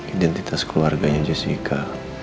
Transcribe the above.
identitas keluarganya jessica